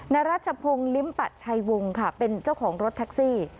ราชพงศ์ลิ้มปัดชัยวงค่ะเป็นเจ้าของรถแท็กซี่